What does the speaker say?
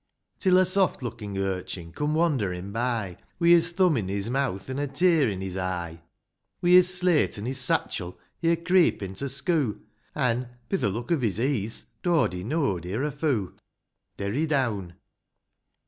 IV. Till a soft lookin' urchin coom wanderin' by, Wi' his thumb in his mouth, an' a tear in his eye ; Wi' his slate an' his satchel, he're creepin' to schoo'. An', — bi th' look of his e'en, — Dody know'd he're a foo'. Derry down.